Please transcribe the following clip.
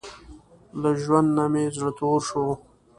له ژوند نۀ مې زړه تور شو